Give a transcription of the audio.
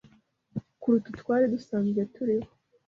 kuruta utwari dusanzwe turiho